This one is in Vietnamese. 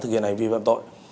thực hiện hành vi phạm tội